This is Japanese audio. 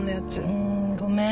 うんごめん。